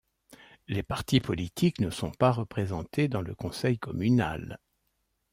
Les partis politiques ne sont pas représentés dans le conseil communal.